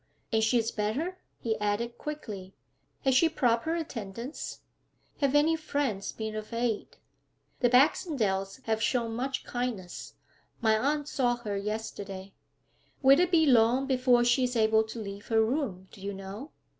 'And she is better?' He added quickly, 'Has she proper attendance? Have any friends been of aid?' 'The Baxendales have shown much kindness. My aunt saw her yesterday.' 'Will it be long before she is able to leave her room, do you know?'